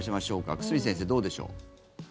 久住先生、どうでしょう。